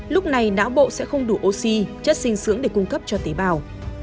lúc này não bộ sẽ không đủ oxy chất sinh dưỡng để cung cấp cho tế bào